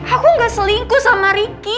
aku nggak selingkuh sama riki